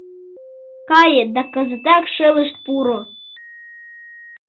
Кае да кызытак шелышт пуро!